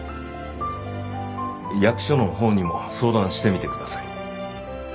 役所のほうにも相談してみてください。